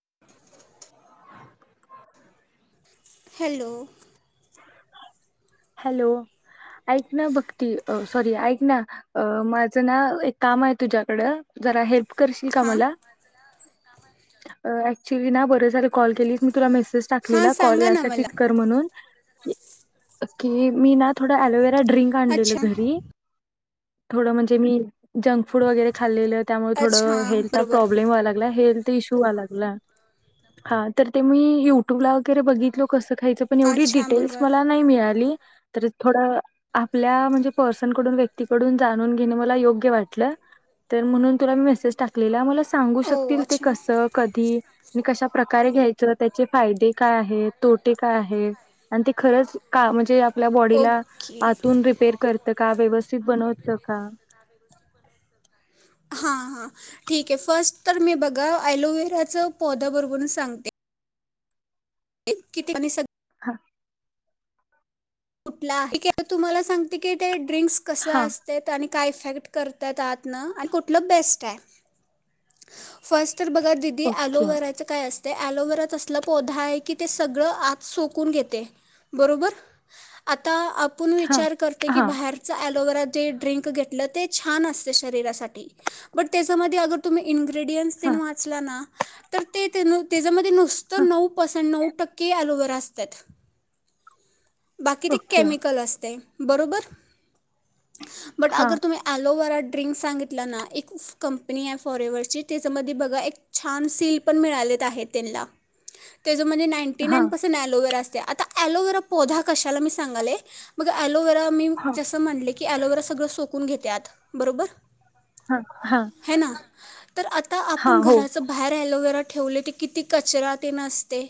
[inaudible] Hello hello ऐक ना भक्ती अ सॉरी ऐक ना अ माझं ना एक काम हाय तुझ्याकड जरा हे करशील का हां मला अ [unintelligible] बरं झाल कॉल केलीस मी तुला मॅसेज [unintelligible] हां टाकलेला काॅल सांगा ना मला यासाठीच कर म्हणून [inaudible] की मी ना थोडा एलोवेरा ड्रिंक आणलेलं अच्छा घरी थोडं म्हणजे मी जंक फूड वगैरे खाल्लेले त्यामुळे अच्छा थोडं हेल्थला बरोबर प्रॉब्लेम व्हाय लागलाय हेल्थ इशू हुवा लागला हा तर ते मी यूटूबला वैगरे बघितलो कसं खायचं पण एवढी अच्छा डिटेल्स बरोबर मला नाही मिळाली तरी थोड‌ं आपल्या म्हणजे पर्सनकडुन, व्यक्ती कडून जाणून घेण मला योग्य वाटलं. तर म्हणून तुला मी मॅसेज टाकलेला मला सांगू ओ शकतील ते अच्छा कसं, कधी? मी कशा प्रकारे घ्यायचं त्याचे फायदे काय आहेत तोटे काय आहेत आणि ते खरंच. का म्हणजे यात आपल्या बॉडीला ओके आतून रिपेर करतं का व्यवस्थित बनवत का. हां हां ठीक आहे फर्स्ट तर मी बघा अलोव्हेराच पोधोवरून सांगते. किती आणि सग ह. कुठला आहे ठीक आहे तुम्हालाआता सांगते की ते. ड्रिंक्स कसं हां, असतयं आणि काय इफेक्ट करतायत आतनं आणि कुठलं बेस्ट आहे. फर्स्ट. तर बघा दिदी ओके. ॲलोवेराचं काय असतं. ते ॲलोवेरात असला पौधा आहे की ते सगळं आत सोकून घेते बरोबर आता. आपण हां, विचार करते की हां, बाहेरचा ॲलोवेरा ते ड्रिंक घेतलं ते छान असतयं शरीरासाठी बट त्याच्यामध्ये तुम्ही इंग्री इंग्रीएंडेंट्स तेन हां, वाचलं ना तर ते तेन त्याच्यामधी ते हां, नुसतं नऊ परसंट नऊ. टक्के अलॉव्हेरा असत्यात. बाकी ते ओके. कॅमिकल असतयं. बरोबर. बट हां, अगर तुम्ही एलोवेरा. ड्रिंक सांगितलं ना एक कंपनी आहे फॉरेवरची त्याच्यामधी बगा एक छान सील पण मिळाले आहेत त्यांला त्याचामधे नाईनटीन हां, नाईन पर्सेंट अलॉव्हेरा अस त्या आता अलॉव्हेरा पोधा कशाला मी सांगाले मग अलॉव्हेरा मी हां, जसं म्हणले की लोवेरा सगळं सोक कून घेत्यात बरोबर. हा हा. है ना तर आता आपूण हो घराचं बाहेर अलॉव्हेरा. ठेवले ते किती कचरा तेन असते.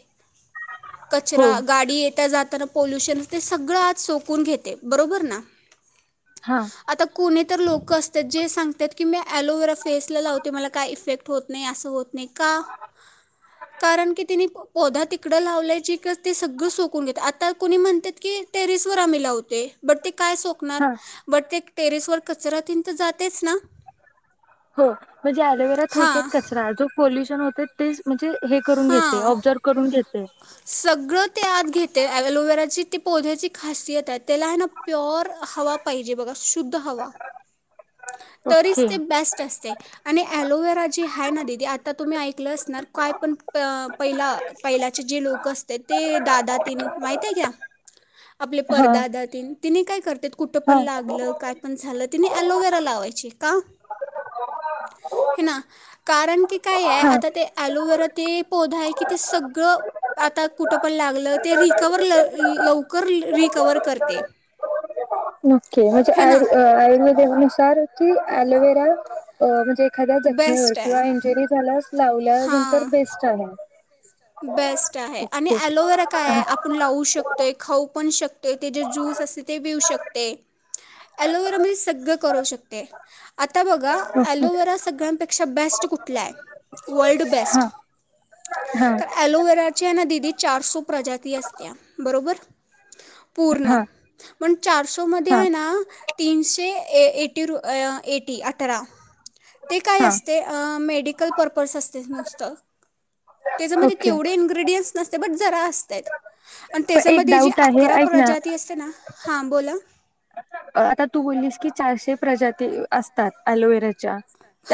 हो कचरा गाडी येता जाताना पोल्युशन ते सगळ आत सोकून घेते, बरोबर ना. हा आता कोणी तर लोक असतात, जे सांगत्यात की, मी ॲलोवेरा फेसला लाव ते मला काय इफेक्ट होत नाही, अस होत नाही. का? कारण की, तिनी पोधा तिकड लावलाय जे सगळ सोकुन घेतय. आता कूणी म्हणत्यात की, टेरेस वर आम्ही लावतोय बट ते काय सोकणार? हा बट तिक टेरेसवर कचरा तेन तर, जातेच ना? हो, म्हणजे ॲलोवेरा थोडक्यात हां कचरा, जो पोल्युशन होत तर तेच म्हण ते हे करून घेते. हां ऑब्जर करून घेते. ते सगळं ते आत घेते. ॲलोवेराची ती पोध्याची खासियत हाय. त्याला आहे ना, प्युअर हवा पाहिजे बघा, शुद्ध हवा तरीच ओके ते ब्यास्ट असते आणि ॲलोवेरा जे हाय ना दिदी, आता तुम्ही ऐकलं असणार, काय पण पहिला पहिलाचे जे लोक असत्यात ते, दादा तेन माहित ए क्या? आपले हा परदादा तेन तिनी काय करतेत? कुठं पण हा लागलं? काय पण झालं? तिनी ॲलोवेरा लावायच. का? हे ना. कारण की काय हाय? हा आता ते ॲलोवेरा ते पोधां कि ते सगळं. आता कुठ पण लागलं? ते रिकव्हर ल लव लवकर री रिकव्हर करते. ओके. म्हणजे हे ना आयुर आयुर्वेदानुसार की ॲलोवेरा म्हणजे एखाद्या जखमेवर बेस्ट आहे किंवा इंज्युअरी झाल्यास लावल्यानंतर बेस्ट होणार. बेस् स्ट हाय आणि ॲलोवेरा काय आहे? हा आपण लावू शक ते खाऊ पण शकते. ते जे ज्यूस असते ते पिऊ शकते, ॲलोवेरा मधे सगळं करू शकते. आता बघा, हा ॲलोवेरा सगळ्यांपेक्षा बेस्ट कुठला हाय? वर्ल्ड बेस्ट हा तर ॲलोवेराचे हायना दिदी चारसो प्रजाती असतीया बरोबर पूर्ण हा [inaudible] पण चारसो मधे हा हायना तीनशे ए एटी रु अ एटी अकरा ते काय हा असते? अ मे मेडिकल पर्पज असते नुसतं. त्याच्यामध्ये ओके तेवढे इनग्रियंट्स नस बट जरा असतय [unintelligible] आणि पण एक त्याच्यामध्ये जी डाऊट आहे अकरा ऐक ना प्रजाती असते ना'--' हा बोला आता [inaudible] तू बोललीस की चारशे प्रजाती असतात ॲलोवेराच्या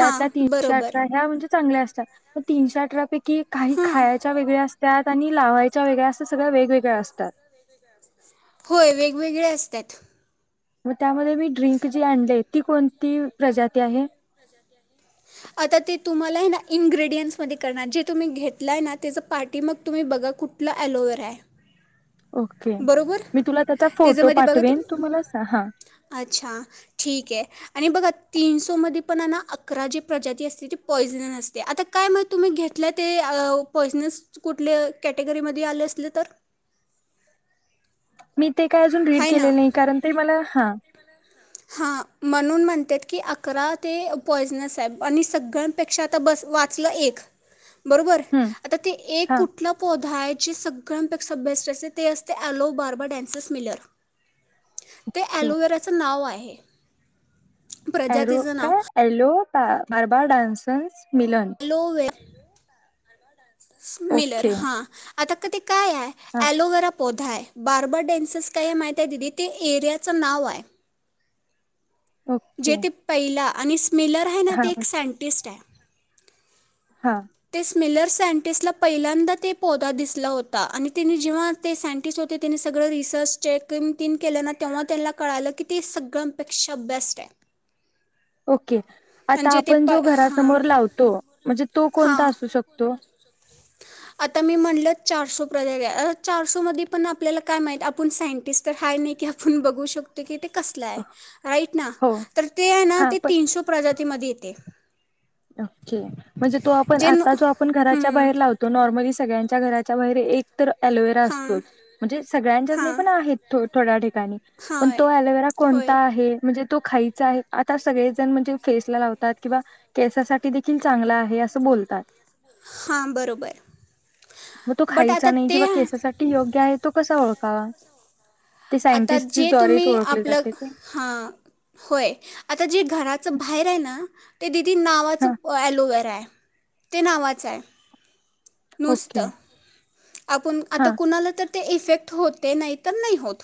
हां तीनशे बरोबर अठरा ह्या [unintelligible] चांगले असतात. पण तीनशे अठरा--'--' की.. काही हां खायाच्या वेगळ्या अस त्यात आणि लावायच्या वेगळ्या. असं सगळं वेगवेगळ्या असतात. होय.. वेगवेगळे असत्यात. म त्यामध्ये मी ड्रिंक जी आणले. ती कोणती- प्रजाती आहे. आता ते तुम्हाला हेना इन्ग्रेडियंट्स मध्ये कळणार. जे तुम्ही घेतलंय ना, त्याच पाठी मग तुम्ही बघा कुठला अलोवेरा आहे. ओके बरोबर. मी तुला त्याचा फोटो त्याच्यामध्ये बघा ते [unintelligible] पाठवेन तू फोटो मला सांग हा पाठवीन. अच्छा ठीके आणि बघा तीनशोमध्ये पण ना अकरा जी प्रजाती असते ती पॉइझनर असते. आता काय माहीत तुम्ही घेतलं ते पॉइझनस कुठल्या कॅटेगरीमध्ये आलं असलं तर? मी [unintelligible] ते काय अजून रीड आहे ना केलेल नाही. कारण ते मला हा हा म्हणून म्हणत्यात.. की अकरा ते पॉइझनेस आहे. आणि सगळ्यांपेक्षा आता बस वाचलं एक. बरोबर.. हम्म आता ते एक हा कुठला पौधा आहे? ची सगळ्यांपेक्षा बेस्ट असते.. ते असते एलो बार्बा डान्सेस मिलर. ते ओके एलोवेराचं नाव आय. [unintelligible] एरो.. नाव काय एलो? बार्बा डान्सस हॅलो.. हे [unintelligible] मिलर. ओके हां आता कधी काय आय हा एलोवेरा बार्बर डन्सेस काय माहितीये दिदी? तिथ त्या एरियाचं नाव आहे. ओके जेते पैला आणि मिलर आहे ना.. हा ते एक सायंटिस्ट आहे. हा. ते स्मिलर सायंटिस्टला पहिल्यांदा ते पौधा दिसला होता. आणि त्याने जेव्हा ते सायंटिस्ट होते. -त्याने सगळं रिसर्च चेक तिने केलं ना.. तेव्हा त्यांना कळालं की ते सगळ्यांपेक्षा बेस्ट ये. ओक [unintelligible] ओके.. आता आपण जो हां घरासमोर लावतो. म्हणजे तो कोणता हां असू शकतो. आता मी म्हणलं चारसो प्रज -चारसो मध्ये पण आपल्याला काय माहीत आपण सायंटिस्ट तर हय नाही की.. आपण बघू शकतो की ते. कसल आहे. राईट ना हो तर, ते ना हा ते पण तीनशे प्रजातीमध्ये येते. ओके. म्हणजे तो आपण जे न आता जो आपण घराच्या हं, बाहेर लावतो नॉर्मली स सगळ्यांच्या घराच्या बाहेर ए तर अलोवेरा हां असतोच. म्हणजे सगळ्यांच्याच नाही हां हां पण आहेत थो थडाडी [unintelligible] पण होय तो अलोवेरा कोणता होय आहे? म्हणजे तो खायच आहे आता सगळेजण म्हणजे फेसला लावतात. किंवा केसासाठी देखील चांगला आहे असं बोलतात. हां बरोबर [inaudible] मग तो बट खायचा आता नाही ते किंवा केसासाठी योग्य आहे तो कसा ओळ का? आता जे तुम्ही आपलं ते हा होय आता जे घराचं बाहेर आहे ना ते दी ती हा नावाचं ॲलोवेरा ये. ते नावाचं आहे. नुस्त ओके आपण हा आता कुणाला तर ते इफेक्ट होते, नाही तर नाही होत.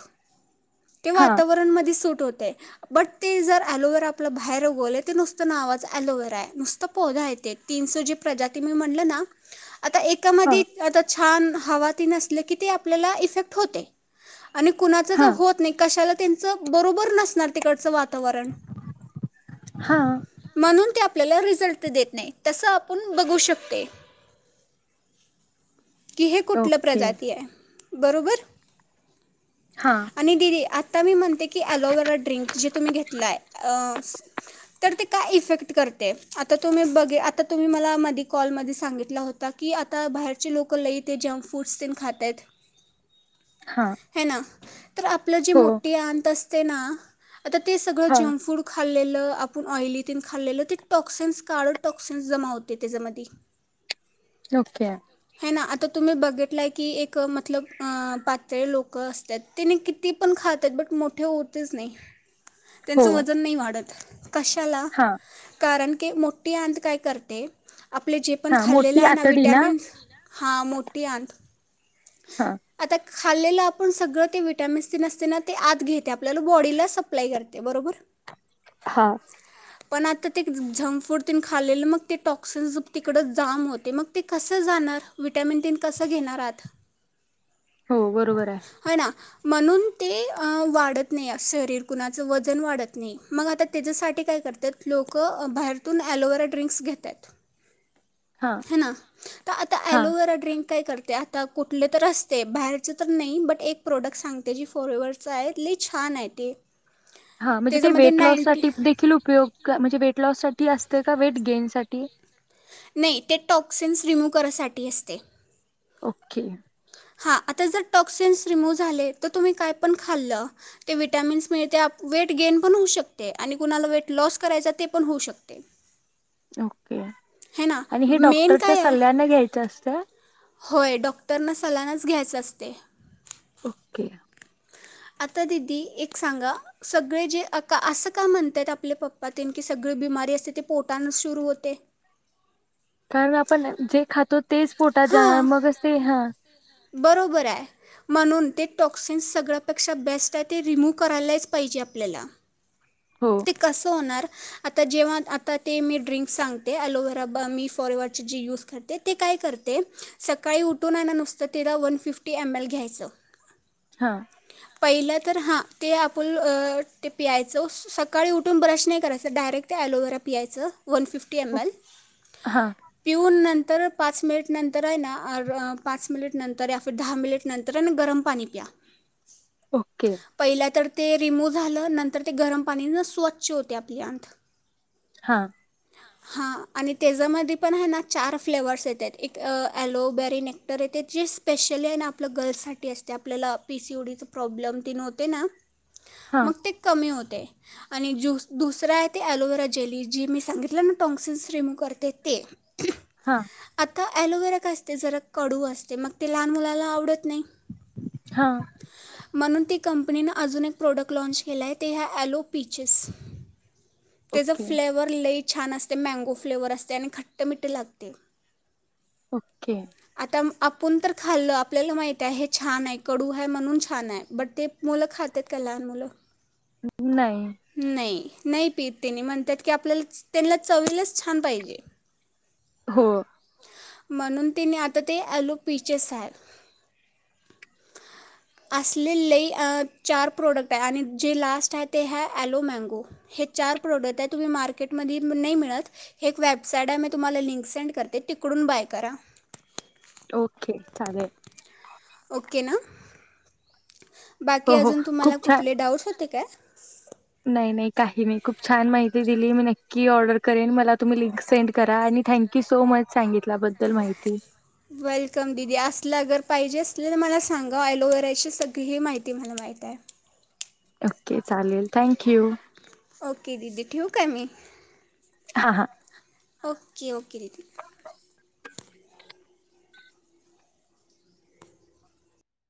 ते हा वातावरण मध्ये सुट तो तय बट ते जर एलोवेरा बाहेर उगवलयं नुसतं नावाचं एलोवेरा हाय नुसतं पौधा हाय तिनसूजी प्रजाती मी म्हणलं ना आता हा एकामध्ये आता चं हा म हवा ती न नसले की ते, आपल्याला इफेक्ट होते आणि कुणाचचं हा होत नाही कशाला? तेनचं बरोबर नसणार तिकडचं वात वरण हा म्हणून त्या आपल्याला रिझल्ट देत नाही, तसं आपण बघू शकते. की हे कुठलं ओके प्रजाती आहे. बरोबर. हा आणि दिदी आता आता मी म्हणते की, ॲलोवेरा ड्रिंक जे तुम्ही घेतलाय, अ तर ते काय इफेक्ट करते? आता तुम्ही बघे, आता तुम्ही मला मधी कॉलमध्ये सांगितला होता की, आता बाहेरचे लोक, लई ते जंक फूड्स तेन खाताएत. हा. है ना. तर आपलं जी हो मोठी आंत अस ते ना. आता ते सगळं, हा जंक फूड खाल्लेलं ल आपूण ऑयली खालेल ते टॉक्सिन्सस, काळ टॉक्सिन्स जमा होतय त्याच्यामधी ओके हे ना आता तुम्ही बघितलाय की एक मतलब पातळी लोक ल असतात तेने किती पण खातात बट मोठे होतच नाही. हो त्यांचं वजन नाही वाढत. कशाला हा कारण ती मोठी अंत काय करते. आपले जे पण हा खाल्लेलं मोठी आहे ना आतडी विटॅमिन हा मोठीे [unintelligible] हा खाल्लेलं आपण सगळं ते वीटामिन नसते ना ते आत घेते आपल्याला बॉडीला सप्लाय करते. बरोबर हा पण आता ते झंक फूड तन खालेलं मग ते टॉक्सिन तिकड जाम होते मग ते कसं जाणार विटॅमिन तीन कसं घेणार आत हो बरोबर आहे. म्हणून ते वाढत नाही शरीर कुणाचं वजन वाढत नाही मग आता त्याच्यासाठी काय करतात लोकं बाहेरतून ॲलोवेरा ड्रिंक्स घेत्यात. हा ह ना तर आता हा आलोवेरा ड्रिंक काय करते आता कुठले तर असते बाहेरचं तर नइ बट एक प्रोडक्ट सांगते जी फॉरवेवरवरचा आहे लय छान आहे ते हा म्हणजे ते त्याच्यामध्ये वेट लॉस नाईन्टी साठी देखिल उपयोग म्हणजे वेट लॉससाठी अस का वेट गेन साठी नाही ते टॉक्सिन्स रिमूव्ह करायसाठी असते. क हा आता जर टॉक्सिनस रिमूव्ह झाले तर तुम्ही हा आता जर टोक्सिन्स रिमूव्ह झाले तर तुम्ही काय पण खाल्लं ते विटॅमिन्स मिळते वेट गेन पण होऊ शकते आणि कुणाला वेट लॉस करायचा ते पण होऊ शकते. ओके हे ना आणि हे मेन डॉक्टरच्या काय आहे. सल्ल्याने घ्यायचं असतं होय, डॉक्टरन सगळ्यानाच घ्यायचं असत. ह ओके आता दिदी एक सांगां सगळे जे आकार असं का म्हणताय आपल्या पप्पात की सगळी बिमारी असते ते पोटानच सुरू होते. कारण आपण जे खातो तेच पोटात जाणार हां मगच ते हा बरोबर आहे म्हणून ते टॉक्सिन्स सगळ्यापेक्षा बेस्ट आहे ते रिमूव करायलाच पाहिजे आपल्याला हो ते कसं होणार. आता जेव्हा आता ते मी ड्रिंक् सांगते ॲलोवे्रा ब मी फॉरवरचे जे यूज करते ते काय करते सकाळी उठून आण ना नुसतं तेला वन फिफ्टी एम एल घ्यायचं. हा पहिलं तर हां ते आपण ते पियाचच सकाळी उठून ब्रश नाही करायचं डायरेक्ट ॲलोवेरा पियायचं. वन फिफ्टी एम ओ- एल हा पिऊन नंत दर पाच मिनिट नंतर आहे ना, पाच मिनिट नंतर या फिर दहा मिनिट नंतर आहे ना गरम पाणी प्या ओके पहिला तर ते रिमूव्ह झालं नंतर ते गरम आणि न स्वच्छ होते आपले अंत त हा हा आणि तेज्यामध्ये पण आहे ना चार फ्लेवर्स येतात, एक अलोबेरन क्टर येत जे स्पेशली आहे ना आपलं गर्ल्स साठी असते. आपल्याला पीसीओडी च प्रॉब्लेम तेन होतो ना हा मग ते कमी होत. हे. आणि ज्युस, दुसरं आहे ते ॲलोवेरा जेली, जी मी सांगितलं ना, टॉक्सिन्स रिमूव करते ते. हा. तर ॲलोवेरा काय असतय? जरा कडू असते, मग ते लहान मुलाला आवडत नाही. हां. म्हणून ती कंपनीन, अजून एक प्रोडक्ट लाँच केलाय. ते ह्या ॲलो- पीचस तेचा ओके फ्लेवर लई छान असतय. मँगो फ्लेवर असतय आणि खट्ट मिठ्ठ लागतंय. ओके. आता आपुण तर खाल्लं. आपल्याला माहित आहे हे छान आहे. कडू आहे म्हणून छान आहे. बट ते मुलं खातेत का लहान मुलं. नायी नायी. नाही पीत त्यांनी म्हणतात की आपल्यालाच त्यांना चवीलाच छान पाहिजे. हो म्हणून तेनी आता ते अलोपीचेस हाय. असले लय चार प्रोडक्ट हाय आणि जे लास्ट आहे ते हाय अलोमँगो हे चार प्रोडक्ट आहे तुम्ही मार्केटमधी नाही मिळत हे एक वेबसाईट आहे मी तुम्हाला लिंक सेंड करते. तिकडून बाय करा. ओके चालेल ओके ना बाकी हो, हो. अजून खूप तुम्हाला छान कुठले डाऊट्स होते काय? नाही नाही काही नाही खूप छान माहिती दिली मी नक्की ऑर्डर करेन. मला तुम्ही लिंक सेंड करा. आणि थँक्यू सो मच सांगितल्याबद्दल माहिती. वेलकम दिदी. असलं अगर पाहिजे असलं तर मला सांगा ॲलोवेराची सगळी माहिती मला माहितय. ओके चालेल थँक यू. ओके. दिदी ठेऊ काय मी? हा हा ओके ओके. दीदी